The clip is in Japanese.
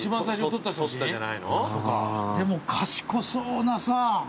でも賢そうなさあ。